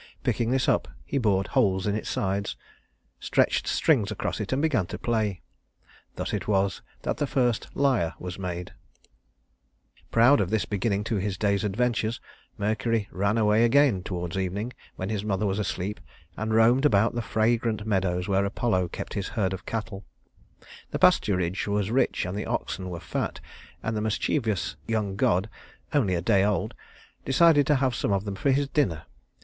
Picking this up, he bored holes in its side, stretched strings across it, and began to play. Thus it was that the first lyre was made. [Illustration: Flying Mercury] Proud of this beginning to his day's adventures, Mercury ran away again toward evening, when his mother was asleep, and roamed about the fragrant meadows where Apollo kept his herd of cattle. The pasturage was rich and the oxen were fat, and the mischievous young god only a day old decided to have some of them for his dinner.